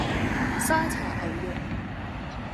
沙茶牛肉